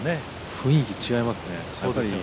雰囲気違いますね。